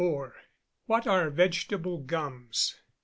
1254. _What are vegetable gums?